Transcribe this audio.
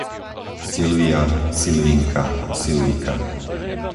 Silvia, Silvinka, Silvika